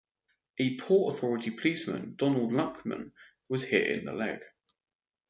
A Port Authority policeman, Donald Lackmun, was hit in the leg.